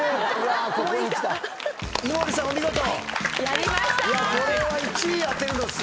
やりました！